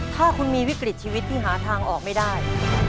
ถ้าคุณมีวิกฤตชีวิตที่หาทางออกไม่ได้